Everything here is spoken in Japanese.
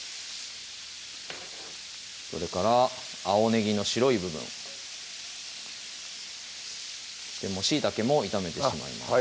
それから青ねぎの白い部分しいたけも炒めてしまいます